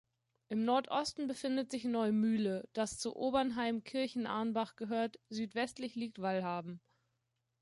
Im Nordosten befindet sich Neumühle, das zu Obernheim-Kirchenarnbach gehört, südwestlich liegt Wallhalben.